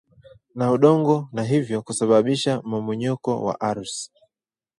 na udongo na hivyo kusababisha mmomonyoko wa ardhi